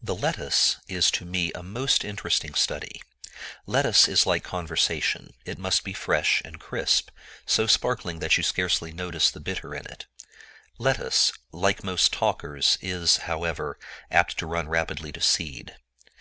The lettuce is to me a most interesting study. Lettuce is like conversation: it must be fresh and crisp, so sparkling that you scarcely notice the bitter in it. Lettuce, like most talkers, is, however, apt to run rapidly to seed.